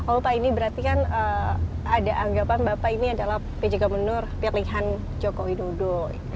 oh pak ini berarti kan ada anggapan bapak ini adalah pejaga menur pilihan jokowi dodo